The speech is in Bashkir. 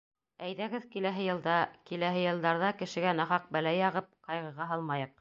Әйҙәгеҙ киләһе йылда... киләһе йылдарҙа кешегә нахаҡ бәлә яғып ҡайғыға һалмайыҡ!